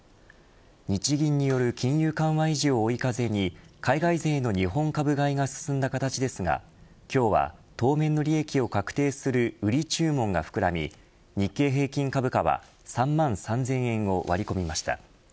日銀による金融緩和維持を追い風に海外勢の日本株買いが進んだ形ですが今日は、当面の利益を確定する売り注文が膨らみ日経平均株価は３万３０００円を割り込みました。